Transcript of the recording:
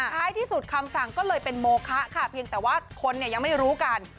ท้ายที่สุดคำสั่งก็เลยเป็นโมคะค่ะเพียงแต่ว่าคนเนี่ยยังไม่รู้กัน